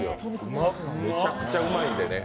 めちゃくちゃうまいんでね。